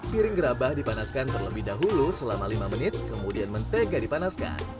piring gerabah dipanaskan terlebih dahulu selama lima menit kemudian mentega dipanaskan